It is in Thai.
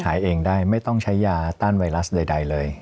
หายเองได้ไม่ต้องใช้ยาต้านไวรัสใดเลย